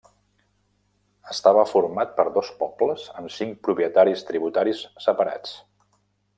Estava format per dos pobles amb cinc propietaris-tributaris separats.